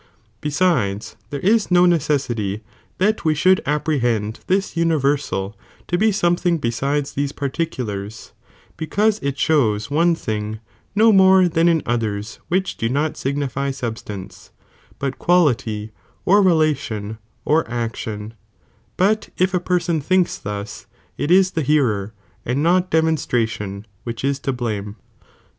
Besides, there is no necessity that we should apprehend this (universal) to be something besides these (particulars), because it shows one thing, no more than in others which do not signify substance, hut quality, or relation, or action, but if a person thinks thus, it is the hearer, and not demonstration, which is to blame.'